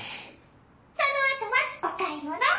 その後はお買い物。